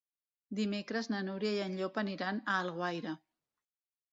Dimecres na Núria i en Llop aniran a Alguaire.